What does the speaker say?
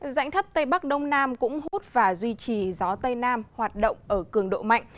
rãnh thấp tây bắc đông nam cũng hút và duy trì gió tây nam hoạt động ở cường độ mạnh